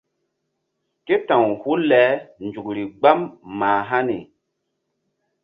Ké ta̧w hul le nzukri gbam mah hani.